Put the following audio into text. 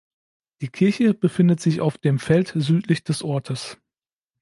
Die Kirche befindet sich auf dem Feld südlich des Ortes.